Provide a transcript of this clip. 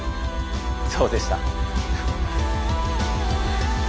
そうでした！